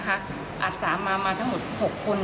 อัดสามมามาทั้งหมด๖คน